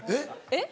えっ。